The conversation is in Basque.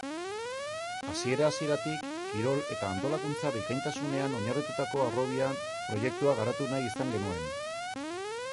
Hasiera-hasieratik kirol eta antolakuntza bikaintasunean oinarritutako harrobi proiektua garatu nahi izan genuen.